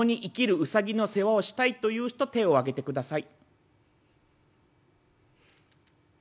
ウサギの世話をしたいという人手を挙げてください」。